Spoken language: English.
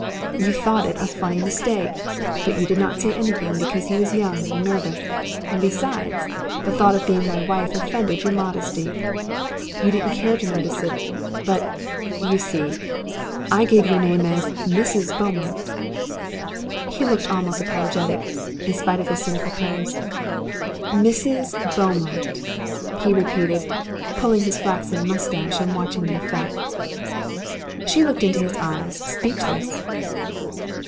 You thought it a funny mistake, but you did not say anything because he was young and nervous and besides, the thought of being my wife offended your modesty. You didn't care to notice it. But you see; I gave your name as MRS. Beaumont." He looked almost apologetic, in spite of his cynical pose. "MRS. Beaumont," he repeated, pulling his flaxen moustache and watching the effect. She looked into his eyes speechless.